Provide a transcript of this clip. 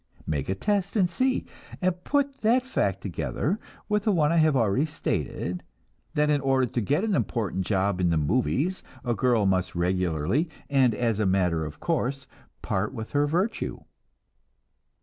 Make a test and see; and put that fact together with the one I have already stated, that in order to get an important job in the "movies," a girl must regularly and as a matter of course part with her virtue.